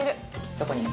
どこに？